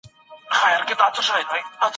تاسو ته اجازه سته چې نوې نظريې وړاندې کړئ.